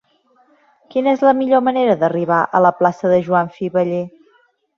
Quina és la millor manera d'arribar a la plaça de Joan Fiveller?